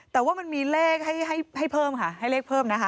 แต่ว่ามันมีเลขให้เพิ่มค่ะให้เลขเพิ่มนะคะ